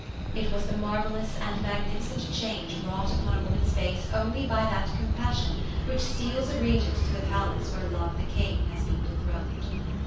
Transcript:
It was the marvellous and magnificent change wrought upon a woman's face only by that compassion which steals a regent to the palace where Love the King has been dethroned.